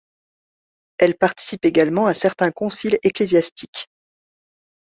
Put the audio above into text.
Elle participe également à certains conciles ecclésiastiques.